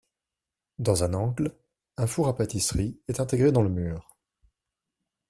Dans un angle, un four à pâtisserie est intégré dans le mur.